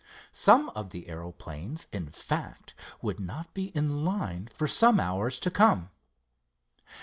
Some of the aeroplanes, in fact, would not be in line for some hours to come.